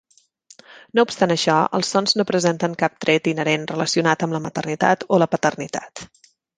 No obstant això, els sons no presenten cap tret inherent relacionat amb la maternitat o la paternitat.